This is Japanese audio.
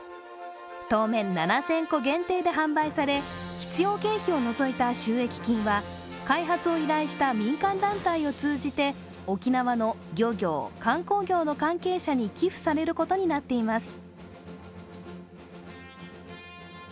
当面７０００個限定で販売され、必要経費を除いた収益金は、開発を依頼した民間団体を通じて沖縄の漁業・観光業の関係者に寄付されることになっています。